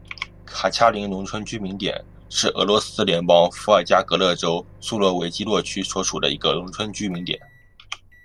卡恰林农村居民点是俄罗斯联邦伏尔加格勒州苏罗维基诺区所属的一个农村居民点。